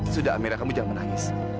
sudah amira kamu jangan nangis